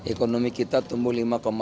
ekonomi kita tumbuh lima empat puluh empat